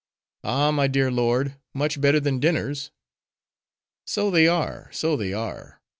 "Ay, my dear lord, much better than dinners." "So they are, so they are.